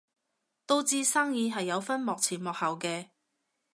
都知生意係有分幕前幕後嘅